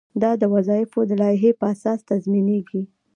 دا د وظایفو د لایحې په اساس تنظیمیږي.